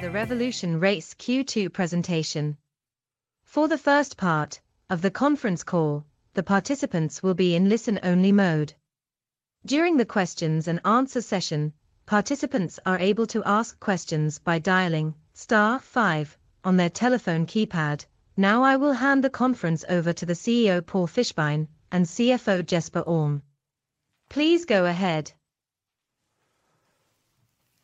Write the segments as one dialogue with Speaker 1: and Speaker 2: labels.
Speaker 1: The RevolutionRace Q2 Presentation. For the first part of the conference call, the participants will be in listen-only mode. During the questions and answer session, participants are able to ask questions by dialing star 5 on their telephone keypad. Now I will hand the conference over to the CEO, Paul Fischbein, and CFO, Jesper Alm. Please go ahead.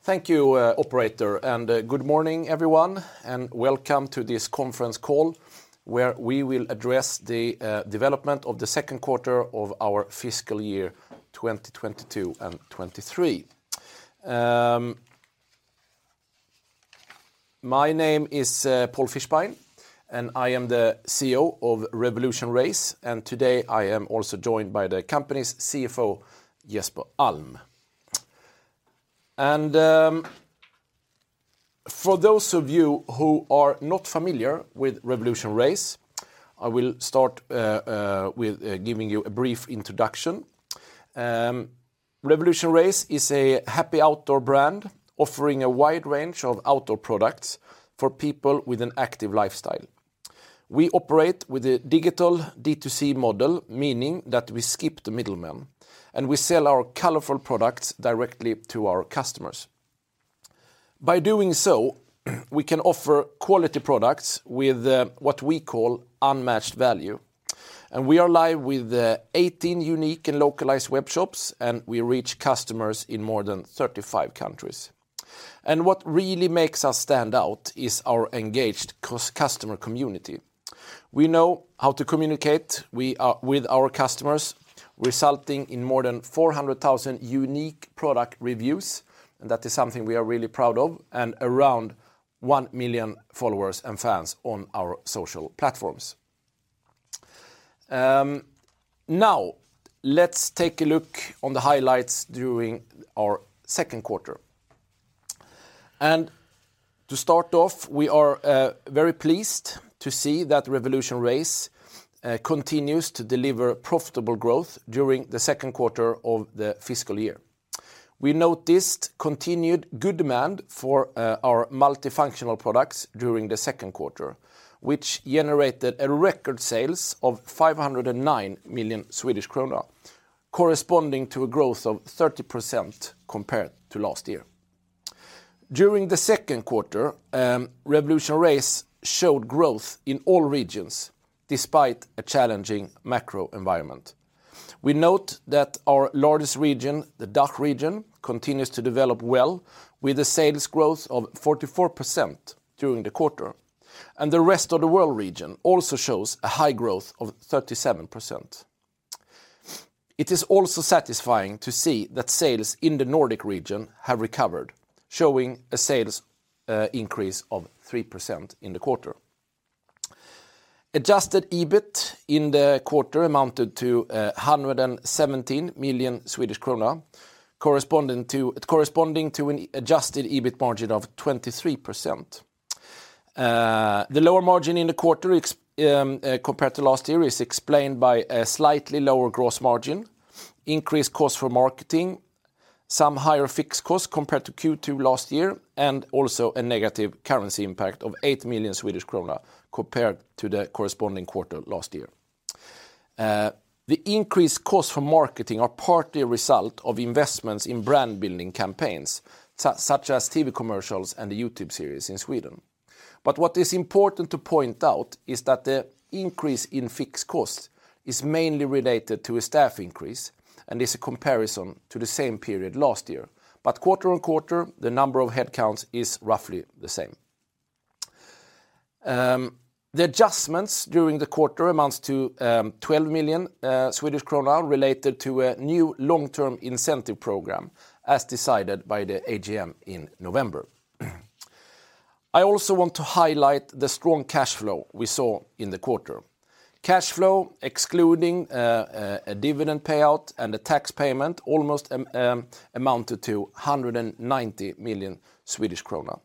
Speaker 2: Thank you, operator, good morning, everyone, and welcome to this conference call, where we will address the development of the second quarter of our fiscal year 2022 and 2023. My name is Paul Fischbein, I am the CEO of RevolutionRace, today I am also joined by the company's CFO, Jesper Alm. For those of you who are not familiar with RevolutionRace, I will start with giving you a brief introduction. RevolutionRace is a happy outdoor brand offering a wide range of outdoor products for people with an active lifestyle. We operate with a digital D2C model, meaning that we skip the middleman, we sell our colorful products directly to our customers. By doing so, we can offer quality products with what we call unmatched value. We are live with 18 unique and localized web shops, and we reach customers in more than 35 countries. What really makes us stand out is our engaged customer community. We know how to communicate, we with our customers, resulting in more than 400,000 unique product reviews, and that is something we are really proud of, and around 1 million followers and fans on our social platforms. Now, let's take a look on the highlights during our second quarter. To start off, we are very pleased to see that RevolutionRace continues to deliver profitable growth during the second quarter of the fiscal year. We noticed continued good demand for our multifunctional products during the second quarter, which generated a record sales of 509 million Swedish kronor, corresponding to a growth of 30% compared to last year. During the second quarter, RevolutionRace showed growth in all regions despite a challenging macro environment. We note that our largest region, the DACH region, continues to develop well with the sales growth of 44% during the quarter, and the rest of the world region also shows a high growth of 37%. It is also satisfying to see that sales in the Nordic region have recovered, showing a sales increase of 3% in the quarter. Adjusted EBIT in the quarter amounted to 117 million Swedish kronor corresponding to an adjusted EBIT margin of 23%. The lower margin in the quarter compared to last year is explained by a slightly lower gross margin, increased cost for marketing, some higher fixed costs compared to Q2 last year, and also a negative currency impact of 8 million Swedish krona compared to the corresponding quarter last year. The increased cost for marketing are partly a result of investments in brand building campaigns such as TV commercials and the YouTube series in Sweden. What is important to point out is that the increase in fixed costs is mainly related to a staff increase and is a comparison to the same period last year. Quarter on quarter, the number of headcounts is roughly the same. The adjustments during the quarter amounts to 12 million Swedish krona related to a new long-term incentive program as decided by the AGM in November. I also want to highlight the strong cash flow we saw in the quarter. Cash flow, excluding a dividend payout and a tax payment, almost amounted to 190 million Swedish krona.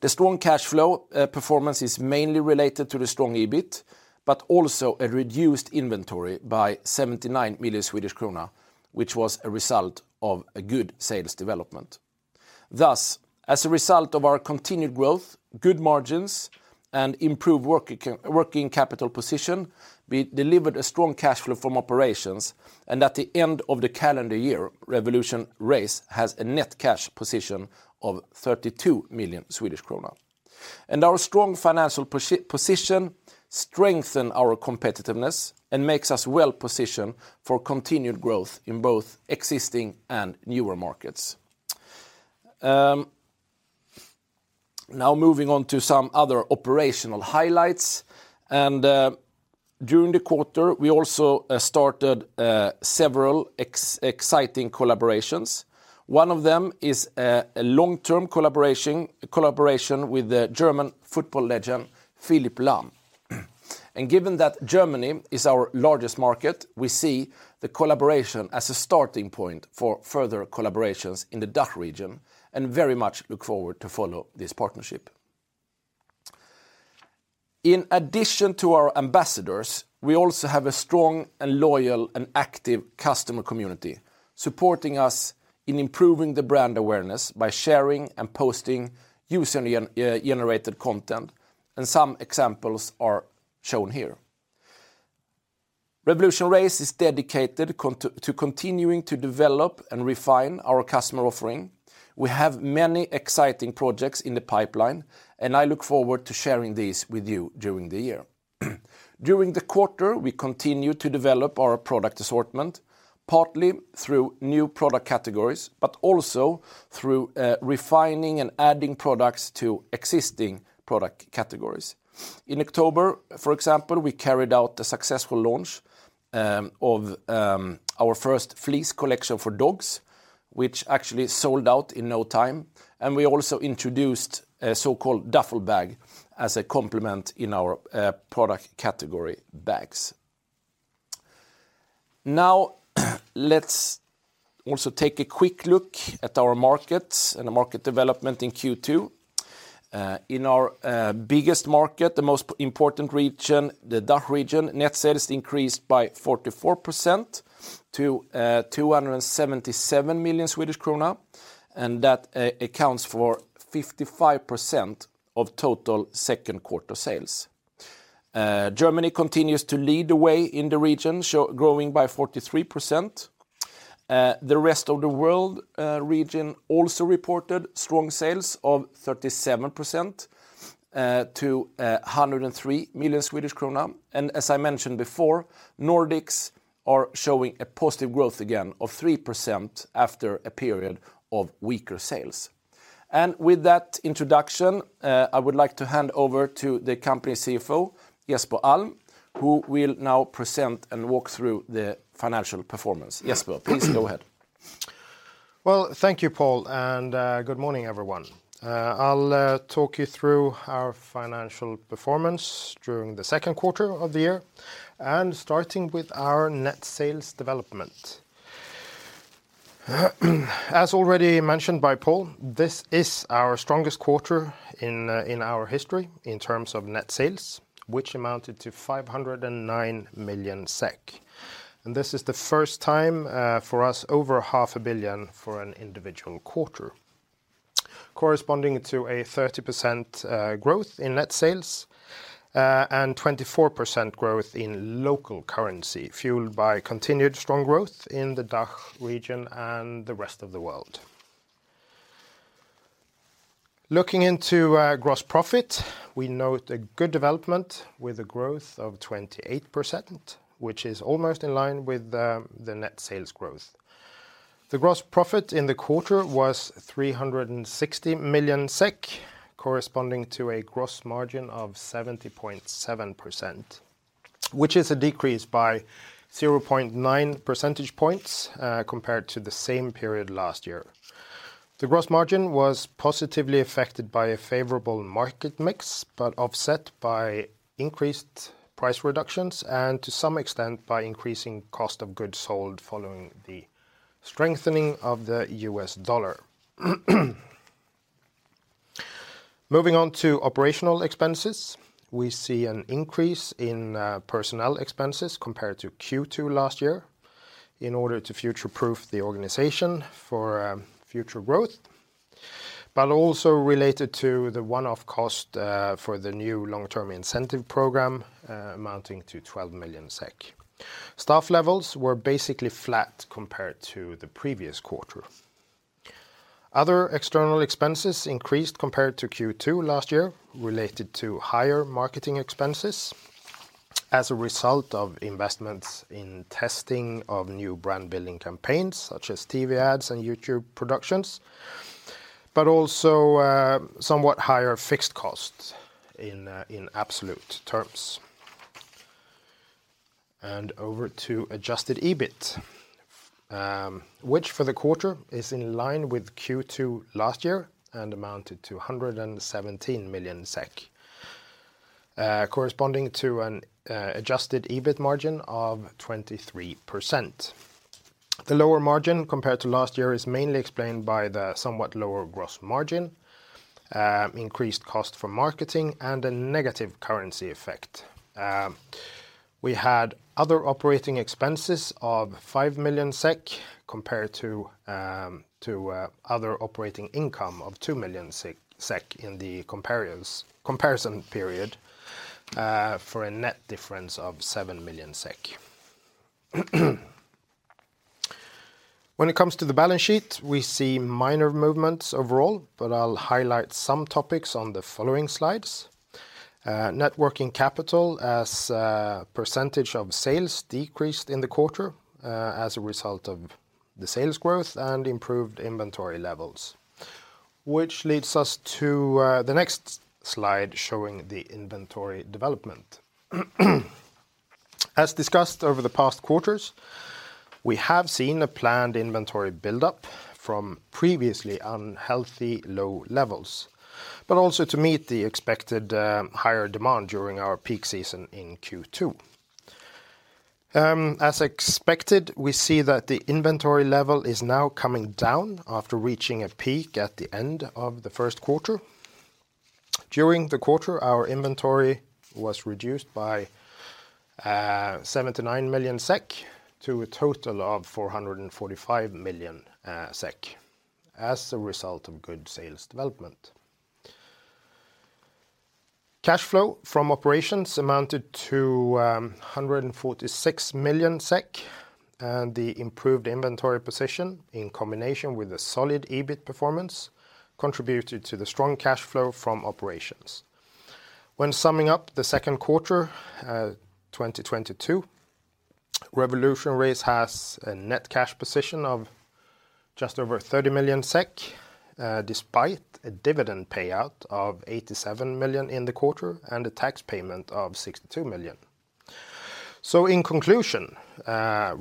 Speaker 2: The strong cash flow performance is mainly related to the strong EBIT, but also a reduced inventory by 79 million Swedish krona, which was a result of a good sales development. Thus, as a result of our continued growth, good margins, and improved working capital position, we delivered a strong cash flow from operations, and at the end of the calendar year, RevolutionRace has a net cash position of 32 million Swedish krona. Our strong financial position strengthen our competitiveness and makes us well-positioned for continued growth in both existing and newer markets. Now moving on to some other operational highlights. During the quarter, we also started several exciting collaborations. One of them is a long-term collaboration with the German football legend Philipp Lahm. Given that Germany is our largest market, we see the collaboration as a starting point for further collaborations in the DACH region and very much look forward to follow this partnership. In addition to our ambassadors, we also have a strong and loyal and active customer community supporting us in improving the brand awareness by sharing and posting user generated content, and some examples are shown here. RevolutionRace is dedicated to continuing to develop and refine our customer offering. We have many exciting projects in the pipeline, and I look forward to sharing these with you during the year. During the quarter, we continued to develop our product assortment, partly through new product categories, but also through refining and adding products to existing product categories. In October, for example, we carried out the successful launch of our first fleece collection for dogs, which actually sold out in no time, and we also introduced a so-called duffle bag as a complement in our product category bags. Let's also take a quick look at our markets and the market development in Q2. In our biggest market, the most important region, the DACH region, net sales increased by 44% to 277 million Swedish krona, and that accounts for 55% of total second quarter sales. Germany continues to lead the way in the region, growing by 43%. The rest of the world region also reported strong sales of 37% to 103 million Swedish krona. As I mentioned before, Nordics are showing a positive growth again of 3% after a period of weaker sales. With that introduction, I would like to hand over to the company CFO, Jesper Alm, who will now present and walk through the financial performance. Jesper, please go ahead.
Speaker 3: Well, thank you, Paul, and good morning, everyone. I'll talk you through our financial performance during the second quarter of the year and starting with our net sales development. As already mentioned by Paul, this is our strongest quarter in our history in terms of net sales, which amounted to 509 million SEK. This is the first time for us over half a billion for an individual quarter, corresponding to a 30% growth in net sales, and 24% growth in local currency, fueled by continued strong growth in the DACH region and the rest of the world. Looking into gross profit, we note a good development with a growth of 28%, which is almost in line with the net sales growth. The gross profit in the quarter was 360 million SEK, corresponding to a gross margin of 70.7%, which is a decrease by 0.9 percentage points compared to the same period last year. The gross margin was positively affected by a favorable market mix, offset by increased price reductions and to some extent by increasing cost of goods sold following the strengthening of the US dollar. Moving on to operational expenses, we see an increase in personnel expenses compared to Q2 last year in order to future-proof the organization for future growth, also related to the one-off cost for the new long-term incentive program, amounting to 12 million SEK. Staff levels were basically flat compared to the previous quarter. Other external expenses increased compared to Q2 last year, related to higher marketing expenses as a result of investments in testing of new brand building campaigns, such as TV ads and YouTube productions, but also somewhat higher fixed costs in absolute terms. Over to adjusted EBIT, which for the quarter is in line with Q2 last year and amounted to 117 million SEK, corresponding to an adjusted EBIT margin of 23%. The lower margin compared to last year is mainly explained by the somewhat lower gross margin, increased cost for marketing, and a negative currency effect. We had other operating expenses of 5 million SEK compared to other operating income of 2 million SEK in the comparison period, for a net difference of 7 million SEK. When it comes to the balance sheet, we see minor movements overall, but I'll highlight some topics on the following slides. Net working capital as a percentage of sales decreased in the quarter as a result of the sales growth and improved inventory levels, which leads us to the next slide showing the inventory development. As discussed over the past quarters, we have seen a planned inventory build-up from previously unhealthy low levels, but also to meet the expected higher demand during our peak season in Q2. As expected, we see that the inventory level is now coming down after reaching a peak at the end of the first quarter. During the quarter, our inventory was reduced by 79 million SEK to a total of 445 million SEK as a result of good sales development. Cash flow from operations amounted to 146 million SEK, and the improved inventory position in combination with a solid EBIT performance contributed to the strong cash flow from operations. When summing up the second quarter, 2022, RevolutionRace has a net cash position of just over 30 million SEK, despite a dividend payout of 87 million in the quarter and a tax payment of 62 million. In conclusion,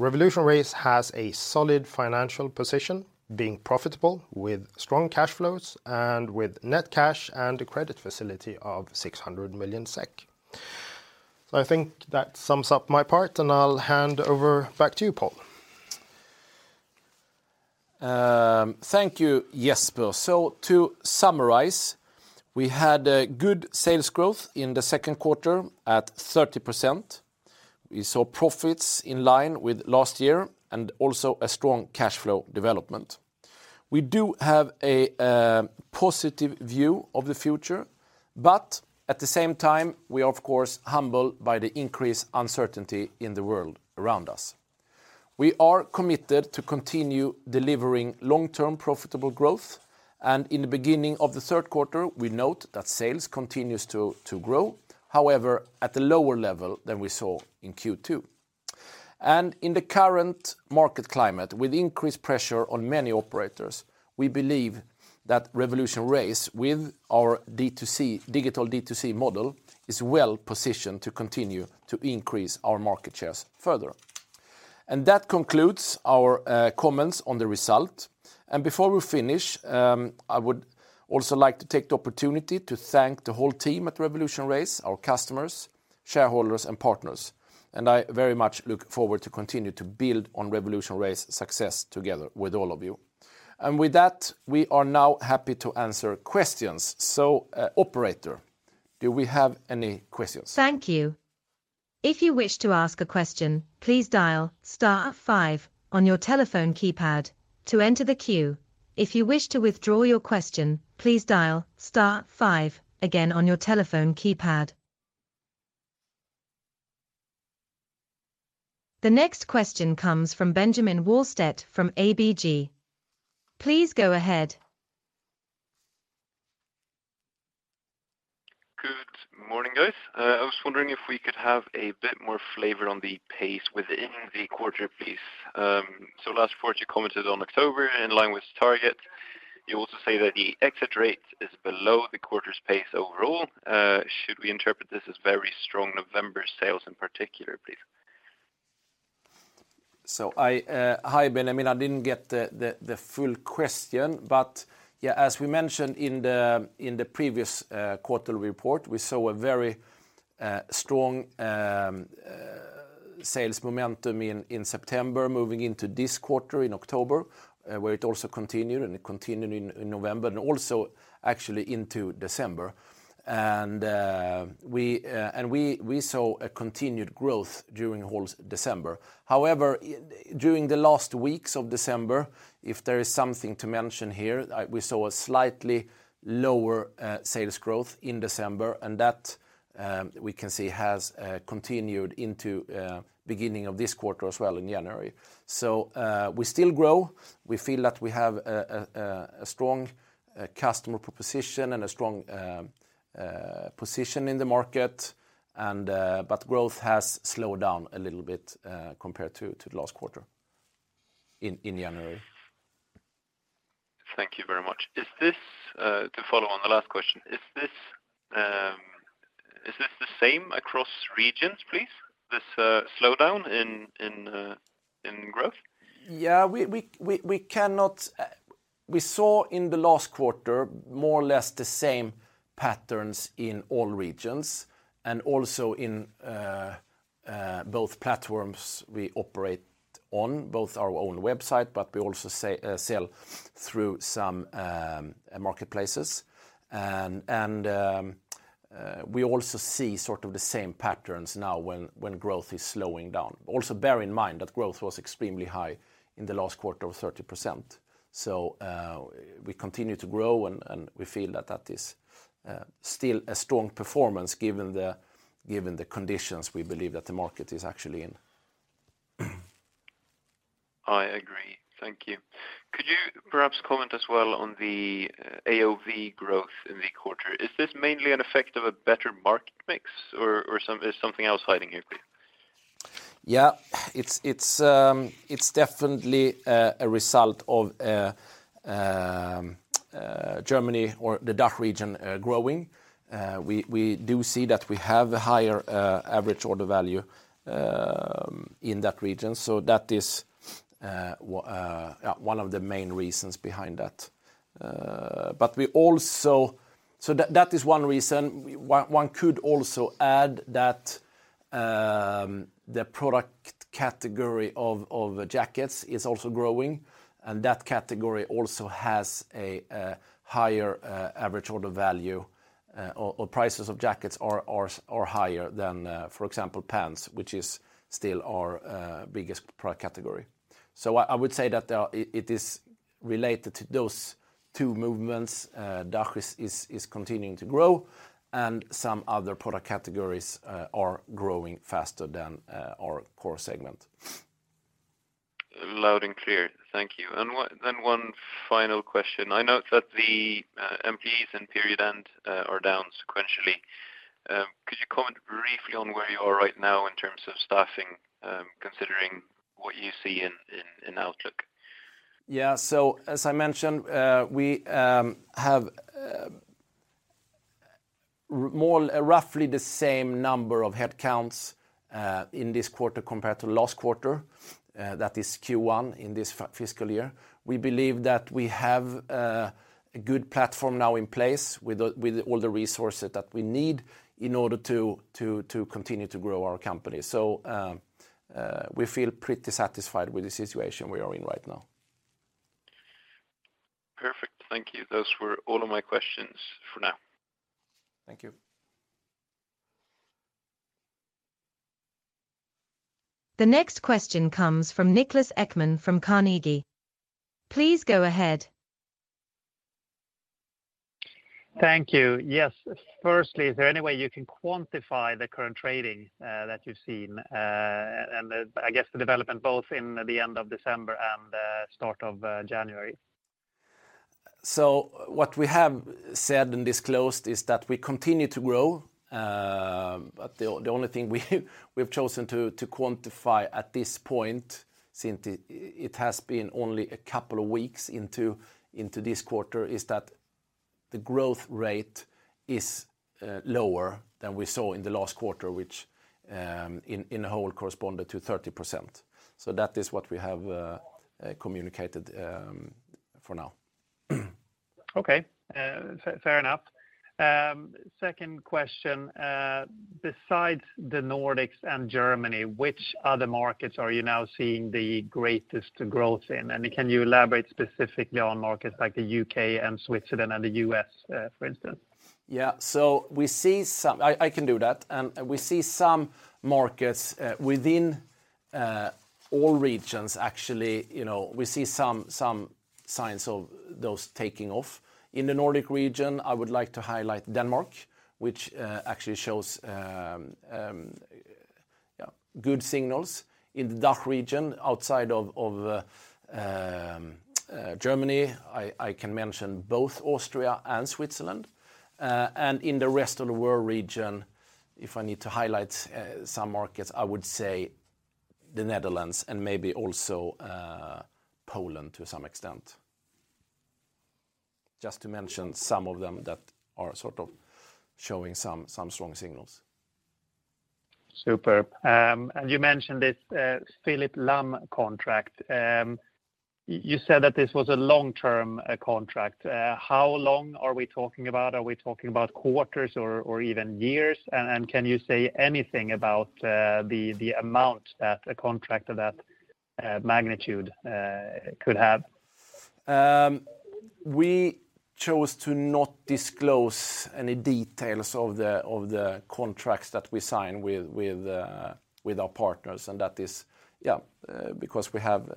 Speaker 3: RevolutionRace has a solid financial position, being profitable with strong cash flows and with net cash and a credit facility of 600 million SEK. I think that sums up my part, and I'll hand over back to you, Paul.
Speaker 2: Thank you, Jesper. To summarize, we had a good sales growth in the 2Q at 30%. We saw profits in line with last year and also a strong cash flow development. We do have a positive view of the future, but at the same time, we are, of course, humbled by the increased uncertainty in the world around us. We are committed to continue delivering long-term profitable growth. In the beginning of the 3Q, we note that sales continues to grow, however, at a lower level than we saw in Q2. In the current market climate, with increased pressure on many operators, we believe that RevolutionRace with our D2C, digital D2C model, is well positioned to continue to increase our market shares further. That concludes our comments on the result. Before we finish, I would also like to take the opportunity to thank the whole team at RevolutionRace, our customers, shareholders, and partners. I very much look forward to continue to build on RevolutionRace success together with all of you. With that, we are now happy to answer questions. Operator, do we have any questions?
Speaker 1: Thank you. If you wish to ask a question, please dial star 5 on your telephone keypad to enter the queue. If you wish to withdraw your question, please dial star 5 again on your telephone keypad. The next question comes from Benjamin Wahlstedt from ABG. Please go ahead.
Speaker 4: Good morning, guys. I was wondering if we could have a bit more flavor on the pace within the quarter, please. Last quarter, you commented on October in line with target. You also say that the exit rate is below the quarter's pace overall. Should we interpret this as very strong November sales in particular, please?
Speaker 2: Hi, Benjamin Wahlstedt. I didn't get the full question, but yeah, as we mentioned in the previous quarter report, we saw a very strong sales momentum in September moving into this quarter in October, where it also continued, and it continued in November and also actually into December. We saw a continued growth during whole December. However, during the last weeks of December, if there is something to mention here, we saw a slightly lower sales growth in December, and that we can see has continued into beginning of this quarter as well in January. We still grow. We feel that we have a strong customer proposition and a strong position in the market, but growth has slowed down a little bit, compared to the last quarter in January.
Speaker 4: Thank you very much. Is this to follow on the last question, is this the same across regions, please? This slowdown in growth?
Speaker 2: Yeah. We saw in the last quarter more or less the same patterns in all regions and also in both platforms we operate on, both our own website, but we also say sell through some marketplaces. We also see sort of the same patterns now when growth is slowing down. Also, bear in mind that growth was extremely high in the last quarter of 30%. We continue to grow and we feel that that is still a strong performance given the conditions we believe that the market is actually in.
Speaker 4: I agree. Thank you. Could you perhaps comment as well on the AOV growth in the quarter? Is this mainly an effect of a better market mix or is something else hiding here, please?
Speaker 2: Yeah. It's, it's definitely a result of Germany or the DACH region growing. We, we do see that we have a higher Average Order Value in that region. That is one of the main reasons behind that. That is one reason one could also add that the product category of jackets is also growing, and that category also has a higher Average Order Value, or prices of jackets are higher than, for example, pants, which is still our biggest product category. I would say that it is related to those two movements. DACH is continuing to grow and some other product categories are growing faster than our core segment.
Speaker 4: Loud and clear. Thank you. One final question. I note that the MPS in period end are down sequentially. Could you comment briefly on where you are right now in terms of staffing, considering what you see in outlook?
Speaker 2: Yeah. As I mentioned, we have roughly the same number of headcounts in this quarter compared to last quarter, that is Q1 in this fiscal year. We believe that we have a good platform now in place with all the resources that we need in order to continue to grow our company. We feel pretty satisfied with the situation we are in right now.
Speaker 4: Perfect. Thank you. Those were all of my questions for now.
Speaker 2: Thank you.
Speaker 1: The next question comes from Niklas Ekman from Carnegie. Please go ahead.
Speaker 5: Thank you. Yes. Firstly, is there any way you can quantify the current trading that you've seen and the, I guess, the development both in the end of December and the start of January?
Speaker 2: What we have said and disclosed is that we continue to grow. The only thing we've chosen to quantify at this point, since it has been only a couple of weeks into this quarter, is that the growth rate is lower than we saw in the last quarter, which in a whole corresponded to 30%. That is what we have communicated for now.
Speaker 5: Okay. fair enough. second question. besides the Nordics and Germany, which other markets are you now seeing the greatest growth in? Can you elaborate specifically on markets like the UK and Switzerland and the US, for instance?
Speaker 2: I can do that. We see some markets within all regions, actually, you know, we see some signs of those taking off. In the Nordic region, I would like to highlight Denmark, which actually shows, yeah, good signals. In the DACH region, outside of Germany, I can mention both Austria and Switzerland. In the rest of the world region, if I need to highlight some markets, I would say the Netherlands and maybe also Poland to some extent. Just to mention some of them that are sort of showing some strong signals.
Speaker 5: Superb. You mentioned this Philip Lah contract. You said that this was a long-term contract. How long are we talking about? Are we talking about quarters or even years? Can you say anything about the amount that a contract of that magnitude could have?
Speaker 2: We chose to not disclose any details of the contracts that we sign with our partners. That is because we have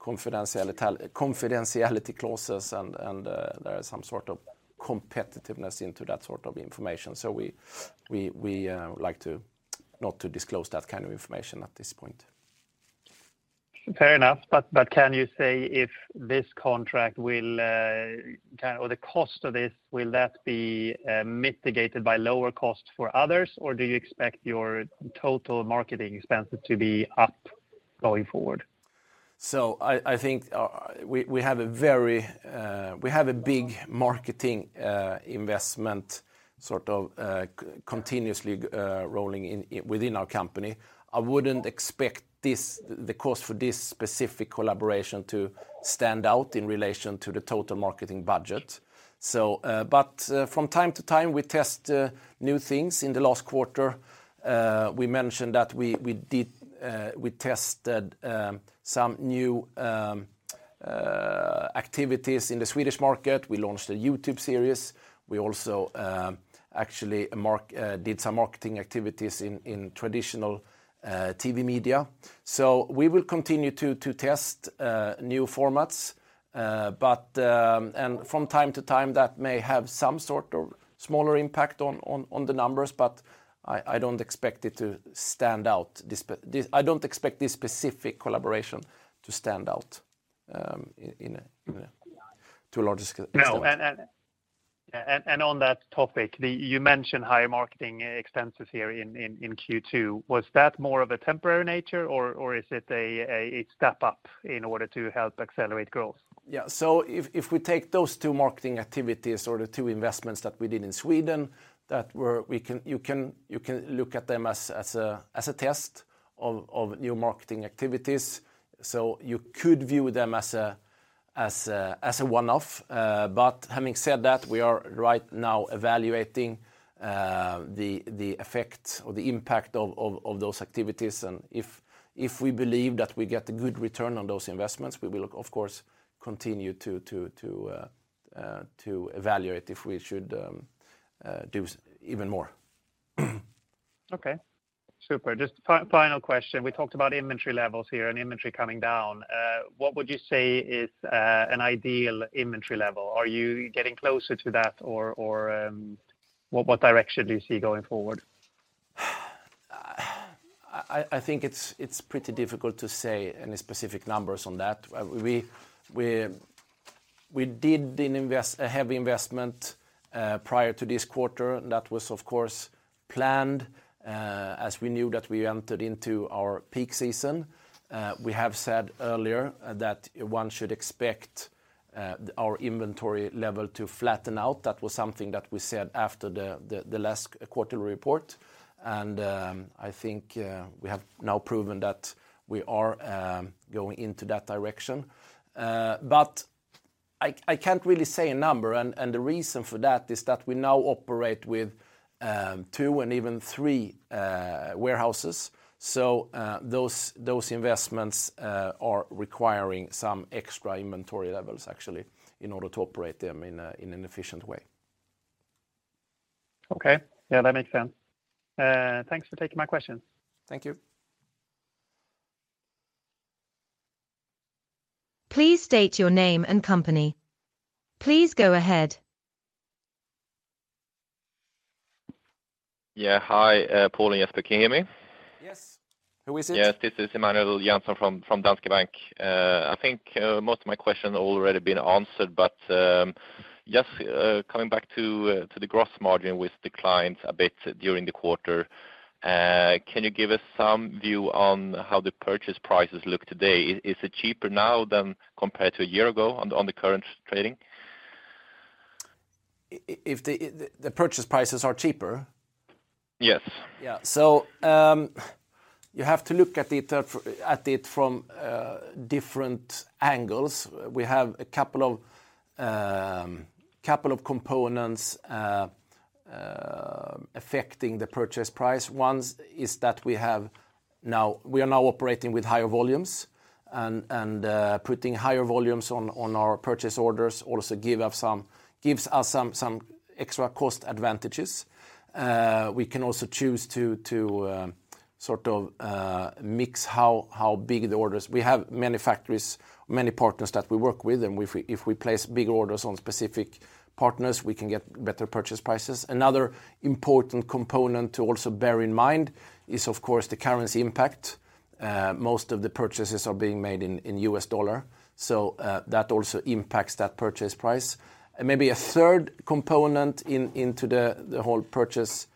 Speaker 2: confidentiality clauses and there is some sort of competitiveness into that sort of information. We would like not to disclose that kind of information at this point.
Speaker 5: Fair enough. Can you say if this contract will, or the cost of this, will that be mitigated by lower costs for others? Or do you expect your total marketing expenses to be up going forward?
Speaker 2: I think we have a very, we have a big marketing investment sort of continuously rolling within our company. I wouldn't expect this, the cost for this specific collaboration to stand out in relation to the total marketing budget. From time to time, we test new things. In the last quarter, we mentioned that we did, we tested some new activities in the Swedish market. We launched a YouTube series. We also actually did some marketing activities in traditional TV media. We will continue to test new formats. From time to time, that may have some sort of smaller impact on the numbers, but I don't expect it to stand out. I don't expect this specific collaboration to stand out to a larger extent.
Speaker 5: No. On that topic, you mentioned higher marketing expenses here in Q2. Was that more of a temporary nature or is it a step up in order to help accelerate growth?
Speaker 2: Yeah. If we take those two marketing activities or the two investments that we did in Sweden, that you can look at them as a test of new marketing activities. You could view them as a one off. Having said that, we are right now evaluating the effect or the impact of those activities. If we believe that we get a good return on those investments, we will of course continue to evaluate if we should do even more.
Speaker 5: Okay. Super. Just final question. We talked about inventory levels here and inventory coming down. What would you say is an ideal inventory level? Are you getting closer to that or what direction do you see going forward?
Speaker 2: I think it's pretty difficult to say any specific numbers on that. We did a heavy investment prior to this quarter. That was, of course, planned as we knew that we entered into our peak season. We have said earlier that one should expect our inventory level to flatten out. That was something that we said after the last quarterly report. I think we have now proven that we are going into that direction. I can't really say a number and the reason for that is that we now operate with two and even three warehouses. Those investments are requiring some extra inventory levels actually in order to operate them in an efficient way.
Speaker 5: Okay. Yeah, that makes sense. Thanks for taking my question.
Speaker 2: Thank you.
Speaker 1: Please state your name and company. Please go ahead.
Speaker 6: Yeah. Hi, Paul and Jesper. Can you hear me?
Speaker 2: Yes. Who is it?
Speaker 6: Yes, this is Emanuel Jansson from Danske Bank. I think most of my questions have already been answered. Just coming back to the gross margin, which declined a bit during the quarter, can you give us some view on how the purchase prices look today? Is it cheaper now than compared to a year ago on the current trading?
Speaker 2: The purchase prices are cheaper?
Speaker 6: Yes.
Speaker 2: You have to look at it from different angles. We have a couple of components affecting the purchase price. One is that we are now operating with higher volumes and putting higher volumes on our purchase orders also gives us some extra cost advantages. We can also choose to sort of mix how big the orders. We have many factories, many partners that we work with, and if we place big orders on specific partners, we can get better purchase prices. Another important component to also bear in mind is of course the currency impact. Most of the purchases are being made in US dollar, that also impacts that purchase price. Maybe a third component into the whole purchase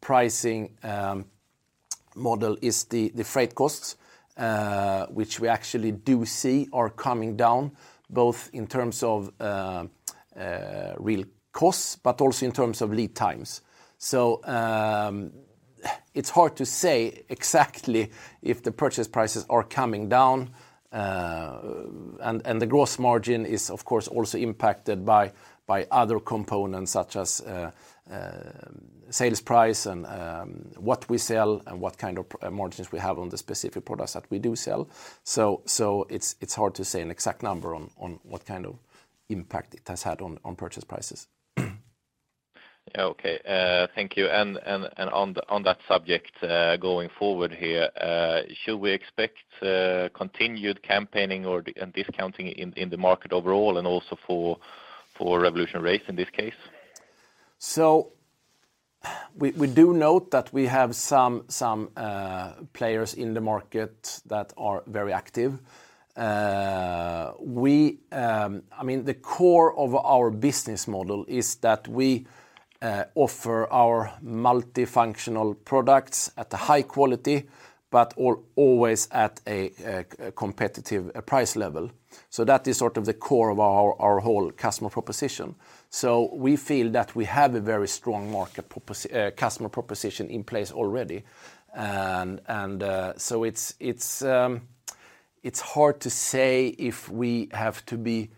Speaker 2: pricing model is the freight costs, which we actually do see are coming down, both in terms of real costs, but also in terms of lead times. It's hard to say exactly if the purchase prices are coming down. The gross margin is of course also impacted by other components such as sales price and what we sell and what kind of margins we have on the specific products that we do sell. It's hard to say an exact number on what kind of impact it has had on purchase prices.
Speaker 6: Yeah. Okay. Thank you. On that subject, going forward here, should we expect continued campaigning and discounting in the market overall and also for RevolutionRace in this case?
Speaker 2: We do note that we have some players in the market that are very active. I mean, the core of our business model is that we offer our multifunctional products at a high quality, but always at a competitive price level. That is sort of the core of our whole customer proposition. We feel that we have a very strong market customer proposition in place already. It's hard to say if we have to be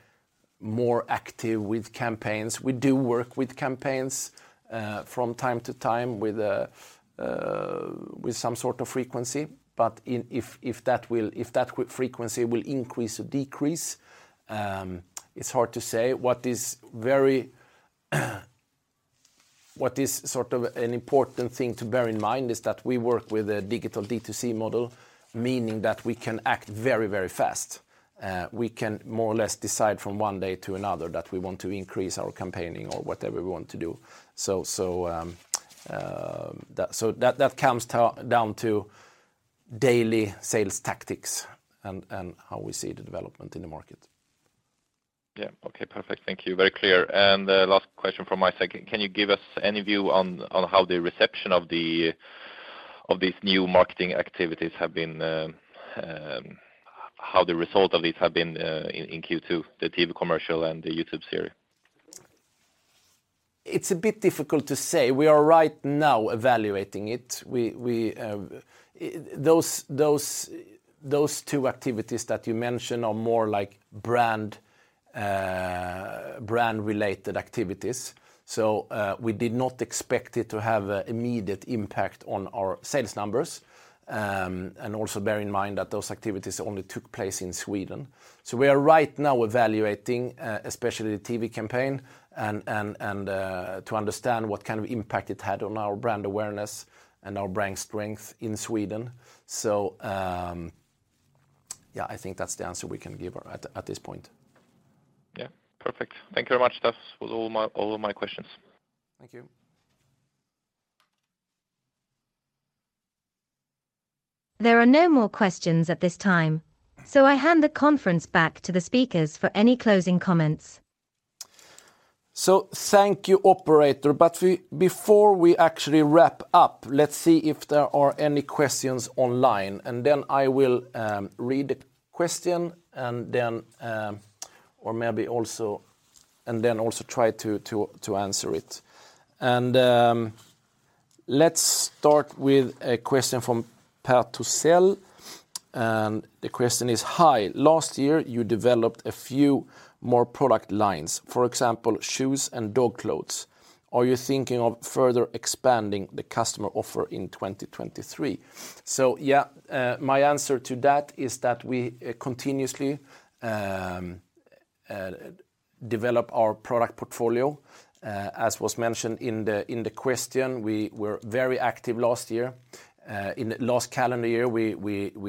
Speaker 2: more active with campaigns. We do work with campaigns from time to time with some sort of frequency. If that frequency will increase or decrease, it's hard to say. What is sort of an important thing to bear in mind is that we work with a digital D2C model, meaning that we can act very fast. We can more or less decide from one day to another that we want to increase our campaigning or whatever we want to do. That comes down to daily sales tactics and how we see the development in the market.
Speaker 6: Yeah. Okay. Perfect. Thank you. Very clear. Last question from my side. Can you give us any view on how the reception of these new marketing activities have been, how the result of this have been in Q2, the TV commercial and the YouTube series?
Speaker 2: It's a bit difficult to say. We are right now evaluating it. Those two activities that you mentioned are more like brand-related activities. We did not expect it to have a immediate impact on our sales numbers. Also bear in mind that those activities only took place in Sweden. We are right now evaluating especially the TV campaign and to understand what kind of impact it had on our brand awareness and our brand strength in Sweden. Yeah, I think that's the answer we can give at this point.
Speaker 6: Yeah. Perfect. Thank you very much, Staffs. Was all my, all of my questions.
Speaker 2: Thank you.
Speaker 1: There are no more questions at this time, so I hand the conference back to the speakers for any closing comments.
Speaker 2: Thank you, operator, before we actually wrap up, let's see if there are any questions online, I will read the question and then also try to answer it. Let's start with a question from (Pat) Tussell, the question is, Hi. Last year, you developed a few more product lines, for example, shoes and dog clothes. Are you thinking of further expanding the customer offer in 2023? Yeah, my answer to that is that we continuously develop our product portfolio, as was mentioned in the question. We were very active last year. In last calendar year, we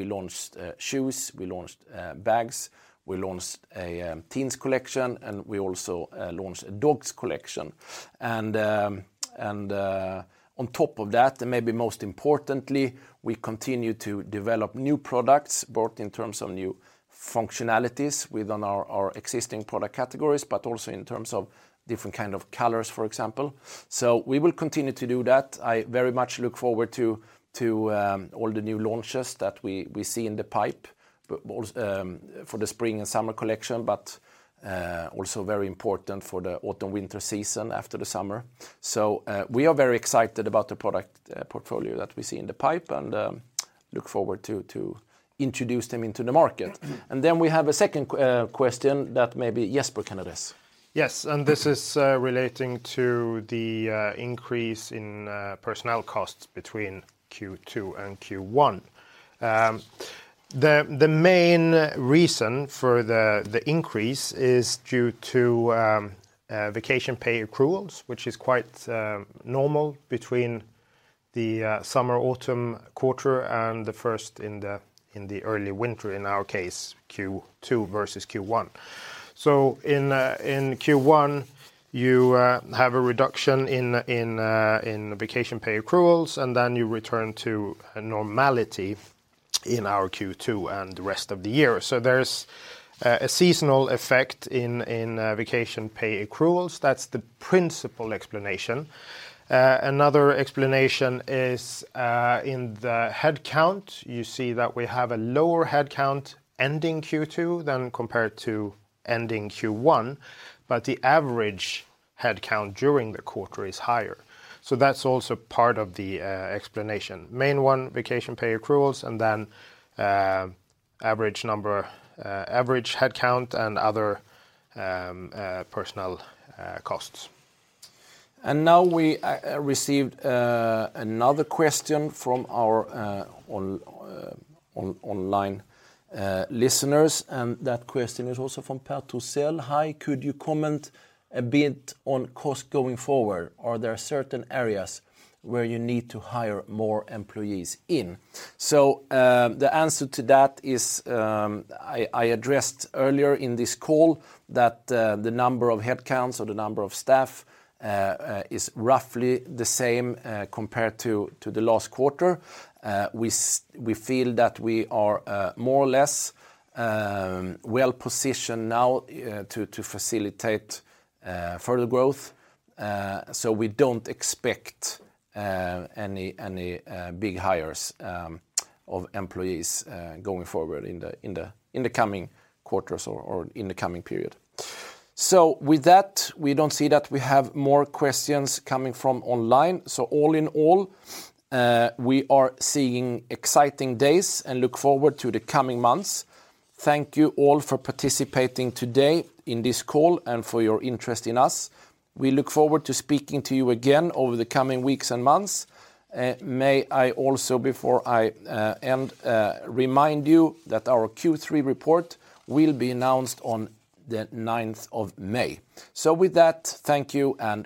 Speaker 2: launched shoes, we launched bags, we launched a teens collection, we also launched a dogs collection. On top of that, and maybe most importantly, we continue to develop new products, both in terms of new functionalities within our existing product categories, but also in terms of different kind of colors, for example. We will continue to do that. I very much look forward to all the new launches that we see in the pipe for the spring and summer collection, also very important for the autumn-winter season after the summer. We are very excited about the product portfolio that we see in the pipe and look forward to introduce them into the market. We have a second question that maybe Jesper can address.
Speaker 3: This is relating to the increase in personnel costs between Q2 and Q1. The main reason for the increase is due to vacation pay accruals, which is quite normal between the summer-autumn quarter and the first in the early winter, in our case, Q2 versus Q1. In Q1, you have a reduction in vacation pay accruals, you return to a normality in our Q2 and the rest of the year. There's a seasonal effect in vacation pay accruals. That's the principal explanation. Another explanation is in the headcount. You see that we have a lower headcount ending Q2 than compared to ending Q1, but the average headcount during the quarter is higher. That's also part of the explanation. Main one, vacation pay accruals, and then, average headcount and other personnel costs.
Speaker 2: Now we received another question from our on-online listeners, and that question is also from (Pat) Tussell: Hi. Could you comment a bit on cost going forward? Are there certain areas where you need to hire more employees in? The answer to that is, I addressed earlier in this call that the number of headcounts or the number of staff is roughly the same compared to the last quarter. We feel that we are more or less well positioned now to facilitate further growth. We don't expect any big hires of employees going forward in the coming quarters or in the coming period. With that, we don't see that we have more questions coming from online. All in all, we are seeing exciting days and look forward to the coming months. Thank you all for participating today in this call and for your interest in us. We look forward to speaking to you again over the coming weeks and months. May I also, before I end, remind you that our Q3 report will be announced on the ninth of May. With that, thank you and bye.